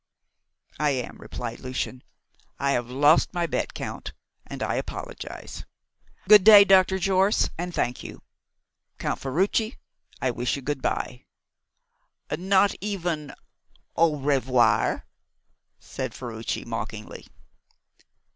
"I am," replied Lucian. "I have lost my bet, Count, and I apologise. Good day, Dr. Jorce, and thank you. Count Ferruci, I wish you good bye." "Not even au revoir?" said Ferruci mockingly.